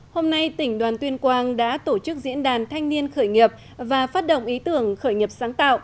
hôm nay tỉnh đoàn tuyên quang đã tổ chức diễn đàn thanh niên khởi nghiệp và phát động ý tưởng khởi nghiệp sáng tạo